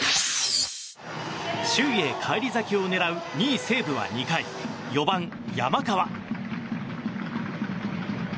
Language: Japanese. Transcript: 首位へ返り咲きを狙う２位西武は２回、４番、山川。